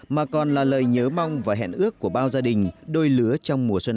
mà còn là lời nhớ mong và hẹn ước của bao gia đình